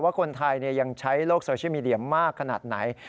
ว่าคนไทยยังใช้โลกโซเชียลมีเดียมากขนาดไหน